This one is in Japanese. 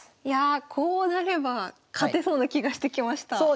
いやこうなれば勝てそうな気がしてきました。